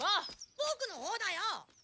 ボクのほうだよ！